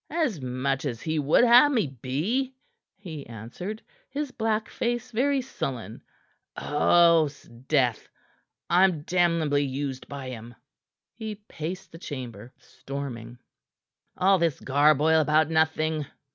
"As much as he would ha' me be," he answered, his black face very sullen. "Oh, 'sdeath! I am damnably used by him." He paced the chamber, storming. "All this garboil about nothing!"